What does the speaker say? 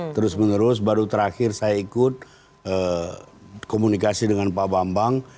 terus menerus baru terakhir saya ikut komunikasi dengan pak bambang